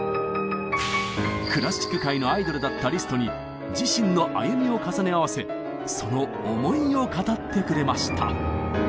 クラシック界のアイドルだったリストに自身の歩みを重ね合わせその思いを語ってくれました。